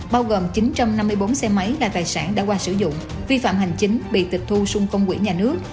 bao gồm chín trăm năm mươi bốn xe máy là tài sản đã qua sử dụng vi phạm hành chính bị tịch thu xung công quỹ nhà nước